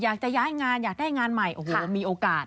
อยากจะย้ายงานอยากได้งานใหม่โอ้โหมีโอกาส